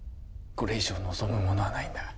これ以上望むものはないんだ